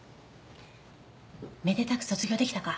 めでたく卒業できたか？